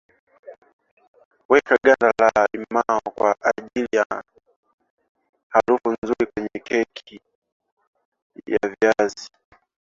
Weka ganda la limao kwa ajili ya harufu nzuri kwenye keki ya viazi li